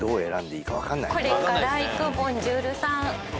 これから行くボンジュールさん